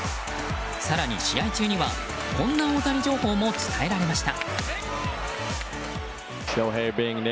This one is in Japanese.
更に試合中にはこんな大谷情報も伝えられました。